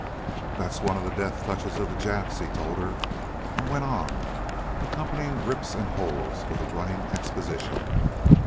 "That's one of the death touches of the Japs," he told her, and went on, accompanying grips and holds with a running exposition.